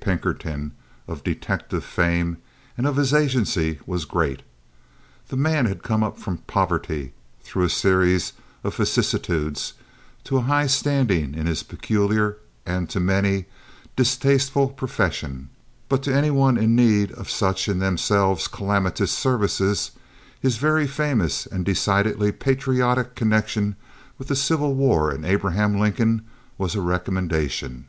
Pinkerton, of detective fame, and of his agency was great. The man had come up from poverty through a series of vicissitudes to a high standing in his peculiar and, to many, distasteful profession; but to any one in need of such in themselves calamitous services, his very famous and decidedly patriotic connection with the Civil War and Abraham Lincoln was a recommendation.